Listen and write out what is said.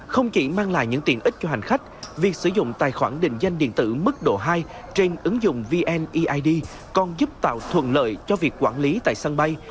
không chỉ mang lại những tiện ích cho hành khách việc sử dụng tài khoản định danh điện tử mức độ hai trên ứng dụng vneid còn giúp tạo thuận lợi cho việc quản lý tại sân bay